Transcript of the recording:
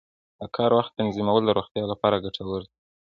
د کار وخت تنظیمول د روغتیا لپاره ګټور دي.